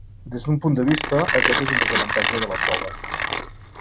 Des d'un punt de vista, aquest és un desavantatge de la prova.